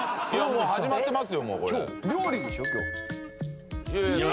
もう始まってます。